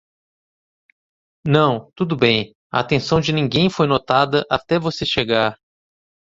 Não, tudo bem, a atenção de ninguém foi notada até você chegar.